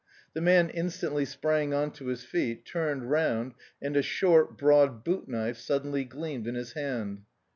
The man instantly sprang on to his feet, turned round, and a short, broad boot knife suddenly gleamed in his hand.